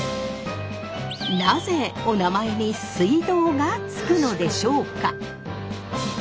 なぜおなまえに水道が付くのでしょうか？